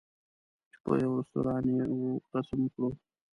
چې په یوه رستوران یې وو رسم کړو.